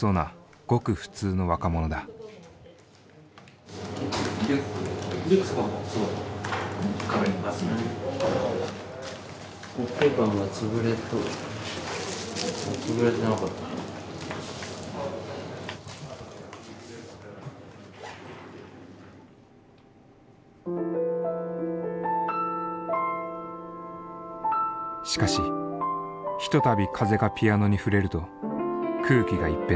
しかしひとたび風がピアノに触れると空気が一変する。